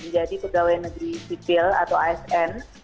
jadi pegawai negeri sipil atau asn